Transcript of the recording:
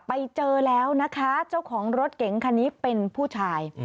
ไปเจอแล้วนะคะเจ้าของรถเก๋งคันนี้เป็นผู้ชาย